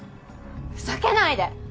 ふざけないで！